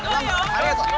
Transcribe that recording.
ありがとう。